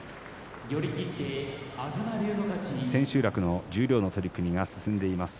千秋楽の十両の取組が進んでいます。